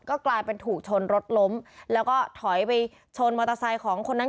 ก็กลายเป็นถูกชนรถล้มแล้วก็ถอยไปชนมอเตอร์ไซค์ของคนนั้น